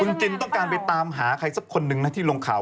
คุณจินต้องการไปตามหาใครสักคนหนึ่งนะที่ลงข่าว